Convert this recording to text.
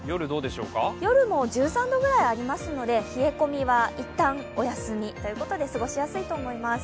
夜も１３度ぐらいありますので、冷え込みは一旦お休みということで、過ごしやすいと思います。